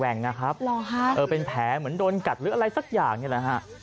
แหล่งนะครับเป็นแผลเหมือนโดนกัดหรืออะไรสักอย่างนี่แหละฮะ